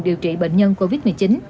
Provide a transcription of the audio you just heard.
điều trị bệnh nhân covid một mươi chín